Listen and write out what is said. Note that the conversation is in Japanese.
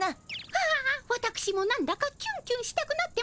ああわたくしもなんだかキュンキュンしたくなってまいりました。